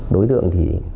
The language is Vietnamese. đối tượng thì